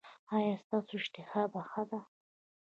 ایا ستاسو اشتها ښه ده؟